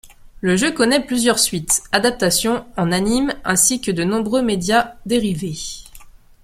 Le jeu connaît plusieurs suites, adaptations en anime ainsi que de nombreux médias dérivés.